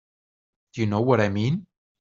Do you know what I mean?